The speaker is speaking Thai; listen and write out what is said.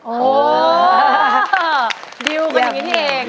อ๋อโอ้เดียวกันอย่างนี้ทีเอง